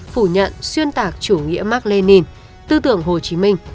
phủ nhận xuyên tạc chủ nghĩa mark lenin tư tưởng hồ chí minh